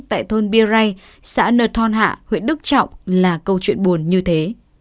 tại thôn birei xã nật thon hạ huyện đức trọng là câu chuyện buồn như thế